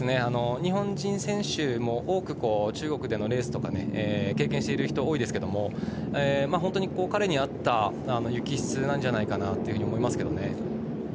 日本人選手も多く中国でのレースとかを経験している人が多いですが彼に合った雪質なんじゃないかなと思いますけどね。